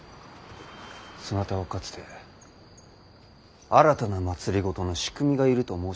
そなたはかつて新たな政の仕組みがいると申しておられたな。